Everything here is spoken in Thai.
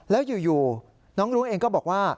แล้วอยู่น้องรุ้งเองก็บอกว่า